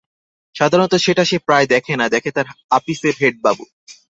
সাধারণত সেটা সে প্রায় দেখে না, দেখে তার আপিসের হেডবাবু।